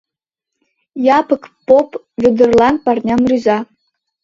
Япык поп Вӧдырлан парням рӱза.